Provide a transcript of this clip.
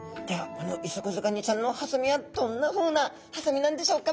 このイソクズガニちゃんのハサミはどんなふうなハサミなんでしょうか。